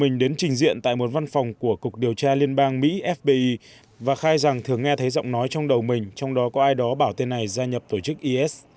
hắn tại một văn phòng của cục điều tra liên bang mỹ fbi và khai rằng thường nghe thấy giọng nói trong đầu mình trong đó có ai đó bảo tên này gia nhập tổ chức is